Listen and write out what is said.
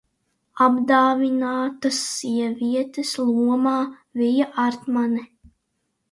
Apdāvinātas sievietes lomā: Vija Artmane.